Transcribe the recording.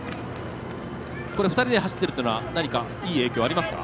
２人で走っているのは何かいい影響ありますか？